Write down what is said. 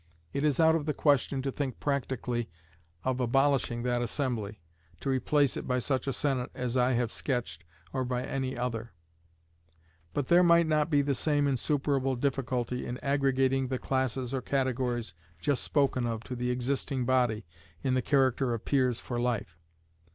It is out of the question to think practically of abolishing that assembly, to replace it by such a Senate as I have sketched or by any other; but there might not be the same insuperable difficulty in aggregating the classes or categories just spoken of to the existing body in the character of peers for life.